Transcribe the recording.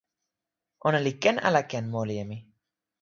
ona li ken ala ken moli e mi?